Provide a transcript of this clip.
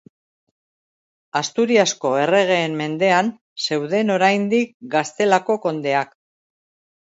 Asturiasko erregeen mendean zeuden oraindik Gaztelako kondeak.